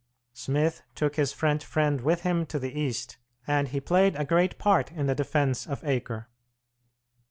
Smith took his French friend with him to the East, and he played a great part in the defence of Acre.